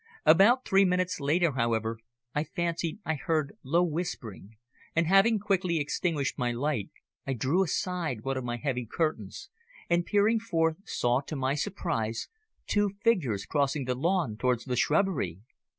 About three minutes later, however, I fancied I heard low whispering, and, having quickly extinguished my light, I drew aside one of my heavy curtains, and peering forth saw, to my surprise, two figures crossing the lawn towards the shrubbery.